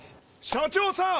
社長さん！